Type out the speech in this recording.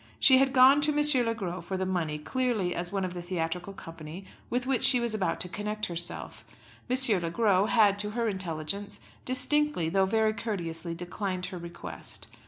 She had gone to M. Le Gros for the money clearly as one of the theatrical company with which she was about to connect herself. M. Le Gros had, to her intelligence, distinctly though very courteously declined her request.